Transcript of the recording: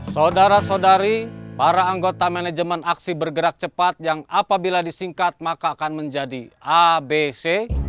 saudara saudari para anggota manajemen aksi bergerak cepat yang apabila disingkat maka akan menjadi abc